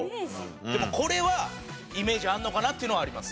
でもこれはイメージあるのかなっていうのはあります。